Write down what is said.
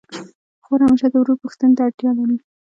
خور همېشه د ورور پوښتني ته اړتیا لري.